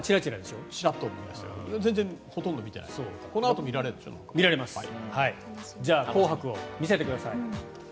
では「紅白」を見せてください。